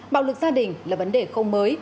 bạo lực gia đình là vấn đề không mới